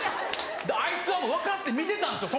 あいつはもう分かって見てたんですよ